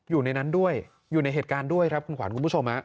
อยู่ในนั้นด้วยอยู่ในเหตุการณ์ด้วยครับคุณขวัญคุณผู้ชม